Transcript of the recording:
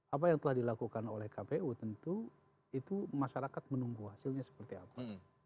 apa yang telah dilakukan oleh kpu tentu itu masyarakat menunggu hasilnya seperti apa